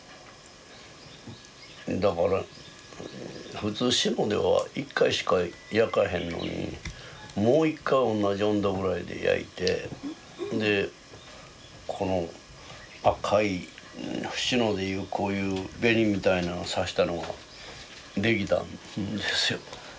だから普通志野では１回しか焼かへんのにもう一回同じ温度ぐらいで焼いてでこの赤い志野でいうこういう紅みたいのをさしたのが出来たんですよ。